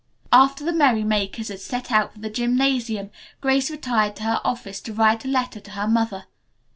After the merrymakers had set out for the gymnasium, Grace retired to her office to write a letter to her mother.